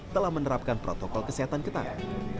telah menerapkan protokol kesehatan ketat